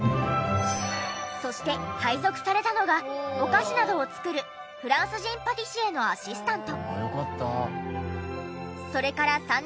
そして配属されたのがお菓子などを作るフランス人パティシエのアシスタント。